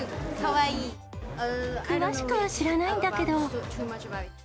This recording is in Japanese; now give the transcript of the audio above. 詳しくは知らないんだけど。